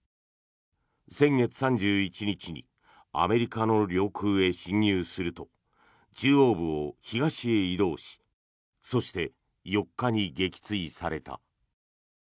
先月３１日にアメリカの領空へ侵入すると中央部を東へ移動しそして、４日に撃墜された。